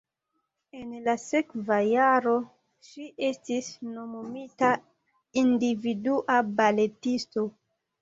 En la sekva jaro ŝi estis nomumita individua baletisto.